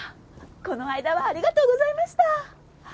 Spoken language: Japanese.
あっこの間はありがとうございました。